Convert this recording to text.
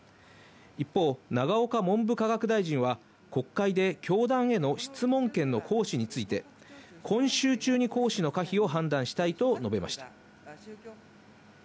一方、永岡文部科学大臣は国会で教団への質問権の行使について今週中に行使の可否を判断したいと述べました。